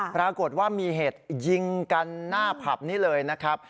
ปรากฏว่ามีเหตุยิงกันหน้าผับนี้เลยนะครับ